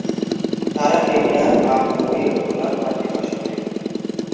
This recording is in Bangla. তারা কেনিয়ার বামবুরির হলার পার্কে বাস করে।